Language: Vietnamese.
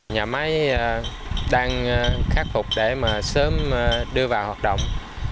nhà máy đang khắc phục để mà sớm đưa vào hoạt động